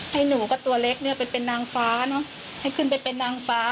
ให้หนูก็ตัวเล็กเนี่ยไปเป็นนางฟ้าเนอะให้ขึ้นไปเป็นนางฟ้า